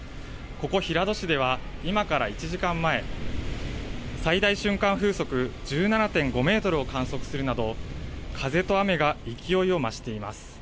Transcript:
ここ平戸市では今から１時間前、最大瞬間風速１７．５メートルを観測するなど風と雨が勢いを増しています。